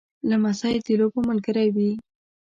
لمسی د لوبو ملګری وي.